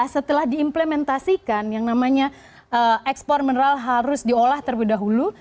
dua ribu lima belas setelah diimplementasikan yang namanya ekspor mineral harus diolah terlebih dahulu